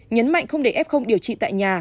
nhấn mạnh không để f điều trị tại nhà